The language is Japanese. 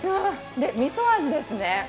みそ味ですね。